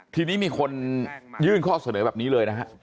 ทีนี้มีคนยื่นข้อเสนอแบบนี้เลยนะฮะ